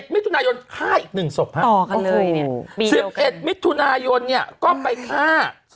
๑๑มิตรทุนายนฆ่าอีก๑ศพฮะ๑๑มิตรทุนายนเนี่ยก็ไปฆ่า